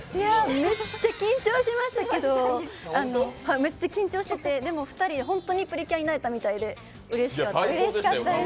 めっちゃ緊張しましたけど、でも２人で本当にプリキュアになれたみたいでうれしかったです。